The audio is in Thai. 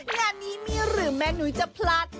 งานนี้มีหรือแม่นุ้ยจะพลาด